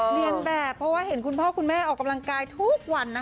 เรียนแบบเพราะว่าเห็นคุณพ่อคุณแม่ออกกำลังกายทุกวันนะคะ